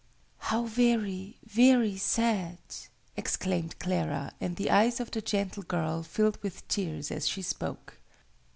"How very, very sad!" exclaimed Clara; and the eyes of the gentle girl filled with tears as she spoke.